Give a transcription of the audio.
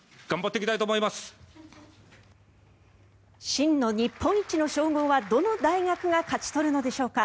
真の日本一の称号はどの大学が勝ち取るのでしょうか。